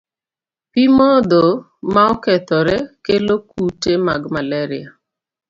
Pi modho ma okethore kelo kute mag malaria.